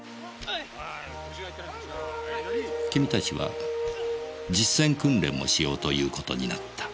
君たちは実践訓練もしようという事になった。